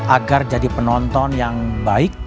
agar jadi penonton yang baik